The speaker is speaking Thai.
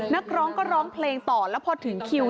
นักร้องก็ร้องเพลงต่อแล้วพอถึงคิว